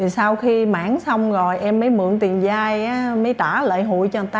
sau khi mảng xong rồi em mới mượn tiền dai mới trả lợi hội cho người ta